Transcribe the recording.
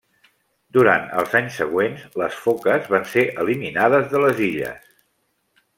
Durant els anys següents, les foques van ser eliminades de les illes.